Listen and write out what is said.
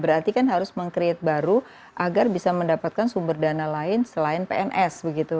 berarti kan harus meng create baru agar bisa mendapatkan sumber dana lain selain pns begitu